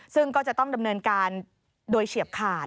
ซึ่งก็จะต้องดำเนินการโดยเฉียบขาด